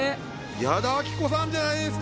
矢田亜希子さんじゃないですか！